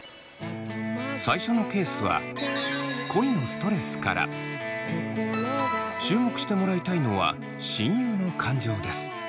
最初のケースは注目してもらいたいのは親友の感情です。